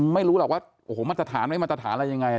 ไม่รู้หรอกว่าโอ้โหมาตรฐานไม่มาตรฐานอะไรยังไง